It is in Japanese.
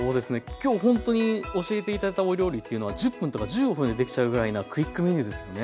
今日ほんとに教えて頂いたお料理というのは１０分とか１５分でできちゃうぐらいなクイックメニューですよね。